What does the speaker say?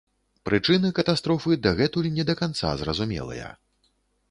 Прычыны катастрофы дагэтуль не да канца зразумелыя.